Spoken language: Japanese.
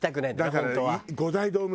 だから。